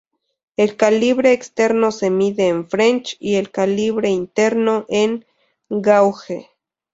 El calibre externo se mide en French y el calibre interno en Gauge.